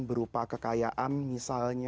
berupa kekayaan misalnya